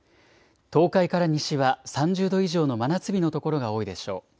東海から西は３０度以上の真夏日の所が多いでしょう。